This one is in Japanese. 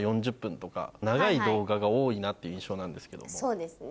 そうですね。